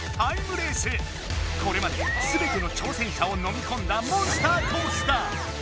これまですべての挑戦者をのみこんだモンスターコースだ。